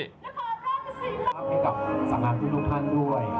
สี่สะเก็ด